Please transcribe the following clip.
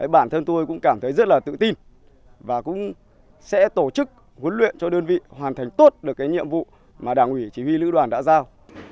bản thân tôi cũng cảm thấy rất là tự tin và cũng sẽ tổ chức huấn luyện cho đơn vị hoàn thành tốt được cái nhiệm vụ mà đảng ủy chỉ huy lữ đoàn đã giao